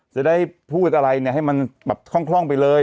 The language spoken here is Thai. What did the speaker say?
จะได้พูดอะไรเนี่ยให้มันแบบคล่องไปเลย